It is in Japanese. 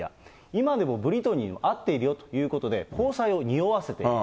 今でもブリトニーに会っているよということで、交際をにおわせている。